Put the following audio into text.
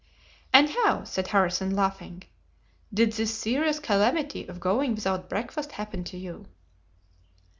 "And how," said Harrison, laughing, "did this serious calamity of going without breakfast happen to you?"